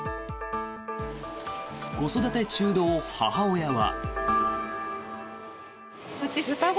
子育て中の母親は。